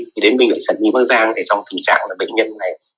thì đến bệnh viện sản nhi bắc giang thì trong tình trạng là bệnh nhân này